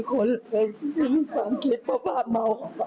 มันความคิดเพราะภาพเมาของเขาแหละ